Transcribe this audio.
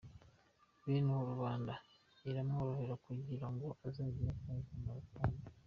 Bene uwo rubanda iramworohera kugira ngo azagire akahe kamaro kandi ?